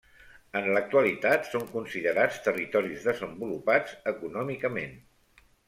En l'actualitat, són considerats territoris desenvolupats econòmicament.